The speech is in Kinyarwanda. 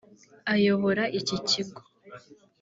Ayobora iki kigo